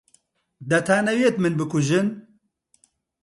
دەتانەوێت من بکوژن؟